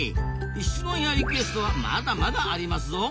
質問やリクエストはまだまだありますぞ！